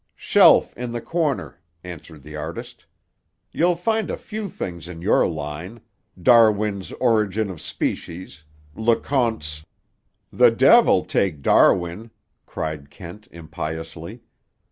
"Shelf in the corner," answered the artist. "You'll find a few things in your line,—Darwin's Origin of Species, Le Conte's—" "The devil take Darwin!" cried Kent impiously.